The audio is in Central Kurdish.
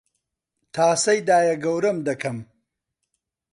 تاسەی دایەگەورەم دەکەم